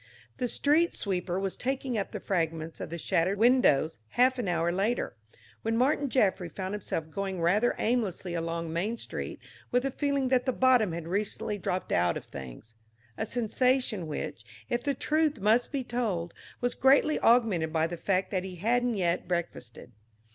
The street sweeper was taking up the fragments of the shattered windows half an hour later, when Martin Jaffry found himself going rather aimlessly along Main Street with a feeling that the bottom had recently dropped out of things a sensation which, if the truth must be told, was greatly augmented by the fact that he hadn't yet breakfasted.